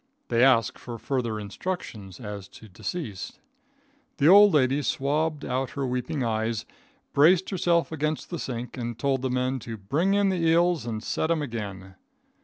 They asked for further instructions as to deceased. The old lady swabbed out her weeping eyes, braced herself against the sink and told the men to "bring in the eels and set him again."